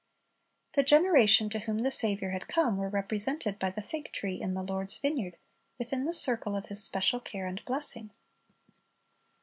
"' The generation to whom the Saviour had come were represented by the fig tree in the Lord's vineyard, — within the circle of His special care and blessing.